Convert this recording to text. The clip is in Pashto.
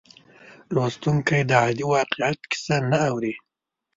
لوستونکی د عادي واقعیت کیسه نه اوري.